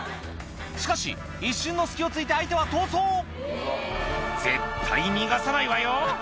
しかし一瞬の隙を突いて相手は逃走「絶対逃がさないわよ」